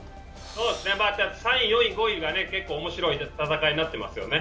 ３位、４位、５位が結構面白い戦いになってますよね。